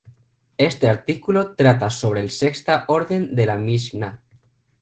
Este artículo trata sobre el sexta orden de la Mishná.